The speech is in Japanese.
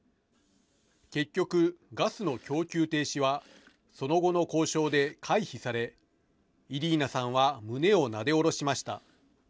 結局、ガスの供給停止はその後の交渉で回避されイリーナさんは胸をなで下ろしました。